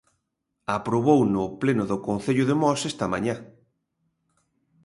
Aprobouno o pleno do concello de Mos esta mañá.